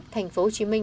thành phố hồ chí minh